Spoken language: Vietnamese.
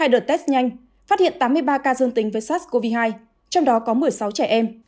hai đợt test nhanh phát hiện tám mươi ba ca dương tính với sars cov hai trong đó có một mươi sáu trẻ em